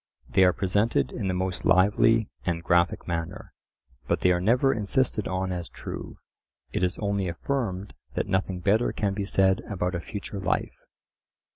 They are presented in the most lively and graphic manner, but they are never insisted on as true; it is only affirmed that nothing better can be said about a future life.